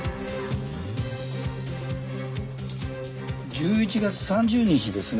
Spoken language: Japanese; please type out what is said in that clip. １１月３０日ですね。